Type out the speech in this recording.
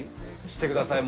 してください。